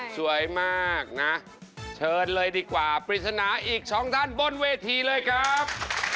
สวยมากนะเชิญเลยดีกว่าปริศนาอีกสองท่านบนเวทีเลยครับ